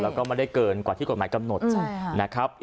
แล้วก็ไม่ได้เกินกว่าที่กฎหมายกำหนดนะครับ